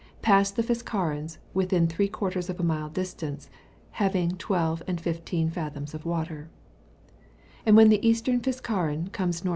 pass the Fiskarens within three quarters of a mile distance, having 12 and 15 fathoms water; and when the Eastern Fiskaren comes N.W.